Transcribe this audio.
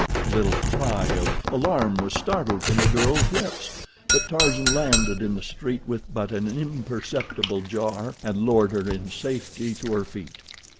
A little cry of alarm was startled from the girl's lips, but Tarzan landed in the street with but an imperceptible jar, and lowered her in safety to her feet.